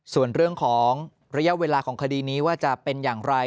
ส่วนเรื่องของระยะเวลาของคดีนี้ว่าจะเป็นอย่างไร